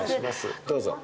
どうぞ。